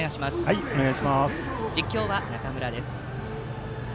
実況は中村です。